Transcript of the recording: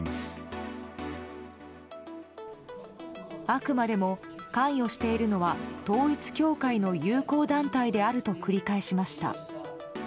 あくまでも関与しているのは統一教会の友好団体であると繰り返しました。